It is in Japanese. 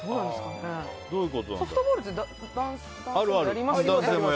ソフトボールって男性もやりますよね。